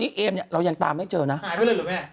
คุณหนุ่มกัญชัยได้เล่าใหญ่ใจความไปสักส่วนใหญ่แล้ว